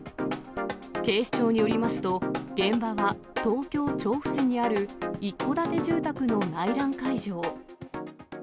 警視庁によりますと、現場は東京・調布市にある一戸建て住宅の内覧会場。